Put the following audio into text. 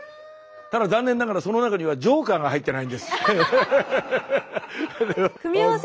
ただ残念ながらその中にはジョーカーが入ってないんです。